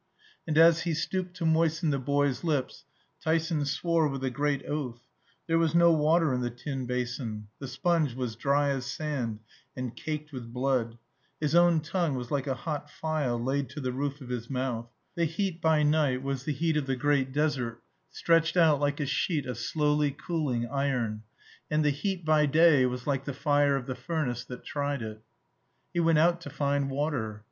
And as he stooped to moisten the boy's lips, Tyson swore with a great oath: there was no water in the tin basin; the sponge was dry as sand, and caked with blood. His own tongue was like a hot file laid to the roof of his mouth. The heat by night was the heat of the great desert, stretched out like a sheet of slowly cooling iron; and the heat by day was like the fire of the furnace that tried it. He went out to find water.